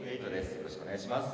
よろしくお願いします。